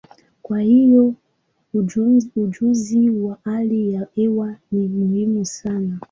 Kwa hiyo, ujuzi wa hali ya hewa ni muhimu sana.